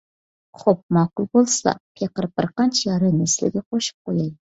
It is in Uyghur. خوپ، ماقۇل بولسىلا، پېقىر بىرقانچە يارەننى سىلىگە قوشۇپ قوياي.